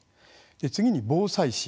次に防災士。